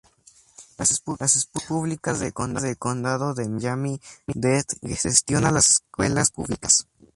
Las Escuelas Públicas del Condado de Miami-Dade gestiona las escuelas públicas.